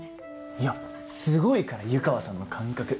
いやすごいから湯川さんの感覚